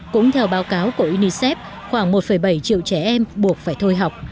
cũng theo báo cáo của unicef khoảng một bảy triệu trẻ em buộc phải thôi học